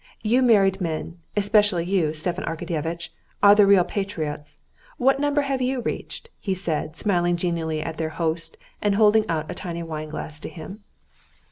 You married men, especially you, Stepan Arkadyevitch, are the real patriots: what number have you reached?" he said, smiling genially at their host and holding out a tiny wine glass to him.